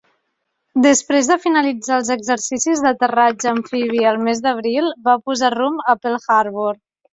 Després de finalitzar els exercicis d'aterratge amfibi el mes d'abril, va posar rumb a Pearl Harbor.